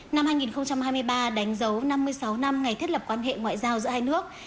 năm hai nghìn hai mươi ba đánh dấu năm mươi sáu năm ngày thiết lập quan hệ ngoại giao giữa hai nước